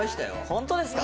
ホントですか？